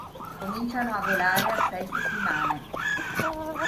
Cominciano a volare a sei settimane.